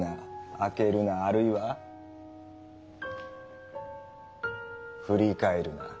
「開けるな」あるいは「振り返るな」。